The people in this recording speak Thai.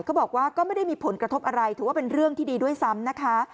บอกว่าก็ไม่ได้มีผลกระทบอะไรถือว่าเป็นเรื่องที่ดีด้วยซ้ำนะคะ